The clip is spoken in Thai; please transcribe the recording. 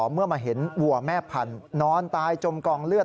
เมื่อมาเห็นวัวแม่พันธุ์นอนตายจมกองเลือด